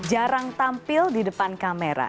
jarang tampil di depan kamera